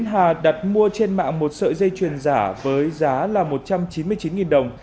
hà đặt mua trên mạng một sợi dây chuyền giả với giá là một trăm chín mươi chín đồng